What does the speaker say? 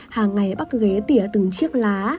hàng ngày bắt ghế tỉa từng chiếc lá